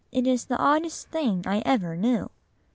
It is the oddest thing I ever knew."